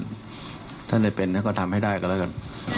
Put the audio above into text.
ถ้าได้เป็นนะก็ทำให้ได้ก็แล้วกัน